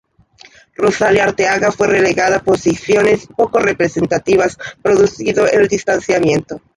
Rosalia Arteaga fue relegada posiciones poco representativas, producido el distanciamiento.